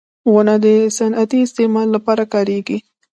• ونه د صنعتي استعمال لپاره کارېږي.